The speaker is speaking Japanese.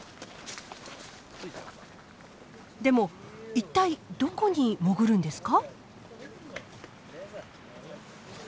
でも一体どこに潜るんですか？